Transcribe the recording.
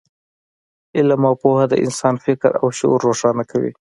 علم او پوهه د انسان فکر او شعور روښانه کوي.